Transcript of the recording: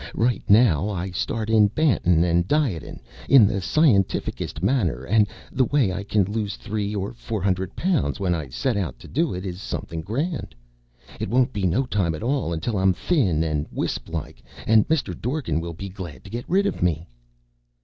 Right now I start in bantin' and dietin' in the scientific est manner an' the way I can lose three or four hundred pounds when I set out to do it is something grand. It won't be no time at all until I'm thin and wisp like, an' Mr. Dorgan will be glad to get rid of me."